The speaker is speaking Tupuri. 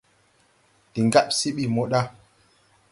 Ndi ŋgab se ɓi mo ɗa.